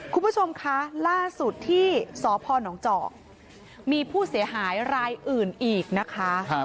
คุณผู้ชมคะล่าสุดที่สพนเจาะมีผู้เสียหายรายอื่นอีกนะคะ